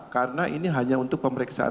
karena ini hanya untuk pemeriksaan